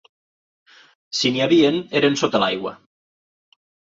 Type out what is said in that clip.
Si n'hi havien eren sota l'aigua.